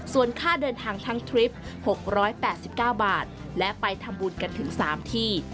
ส่วนค่าเดินทางทั้งทริป๖๘๙บาทและไปทำบุญกันถึง๓ที่